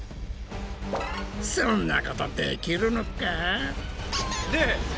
そんなことできるのか？